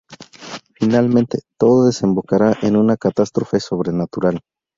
Finalmente, todo desembocará en una catástrofe sobrenatural.